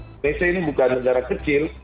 indonesia ini bukan negara kecil